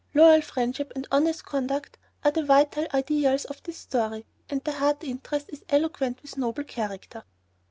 Loyal friendship and honest conduct are the vital ideals of this story, and the heart interest is eloquent with noble character.